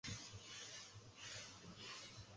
该药可能让人上瘾甚至致死。